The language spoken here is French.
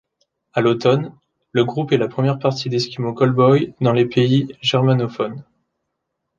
À l'automne, le groupe est la première partie d'Eskimo Callboy dans les pays germanophones.